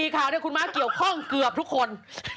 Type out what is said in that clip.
๔คราวเนี่ยคุณมา๋อมเกี่ยวข้องเกือบทุกคน